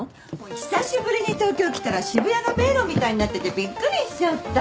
久しぶりに東京来たら渋谷が迷路みたいになっててびっくりしちゃった。